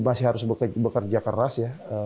kita masih harus bekerja keras ya